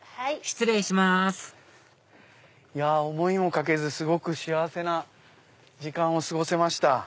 失礼しますいや思いもかけずすごく幸せな時間を過ごせました。